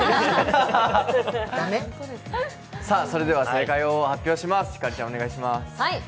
それでは正解を発表します。